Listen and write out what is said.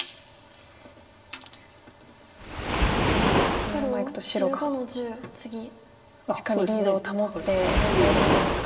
このままいくと白がしっかりリードを保ってゴールしそうですか。